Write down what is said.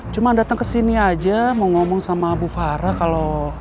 cuma datang ke sini aja mau ngomong sama bu farah kalau